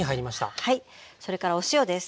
それからお塩です。